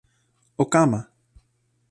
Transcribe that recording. o kama!